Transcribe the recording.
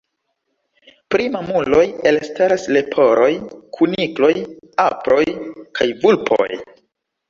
Pri mamuloj elstaras leporoj, kunikloj, aproj kaj vulpoj.